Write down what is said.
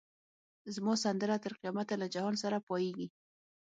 زما سندره تر قیامته له جهان سره پاییږی